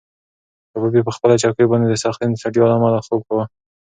کبابي په خپله چوکۍ باندې د سختې ستړیا له امله خوب کاوه.